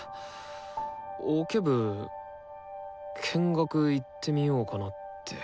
オケ部見学行ってみようかなって。